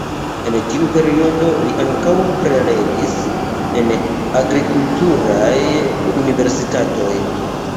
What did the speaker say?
En tiu periodo li ankaŭ prelegis en agrikulturaj universitatoj.